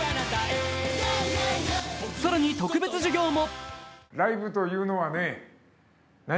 更に、特別授業も。